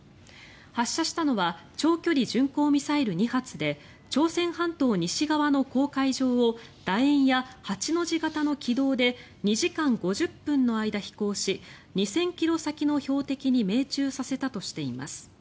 発射したのは長距離巡航ミサイル２発で朝鮮半島西側の黄海上をだ円や８の字形の軌道で２時間５０分の間飛行し２０００ｋｍ先の標的に命中させたとしています。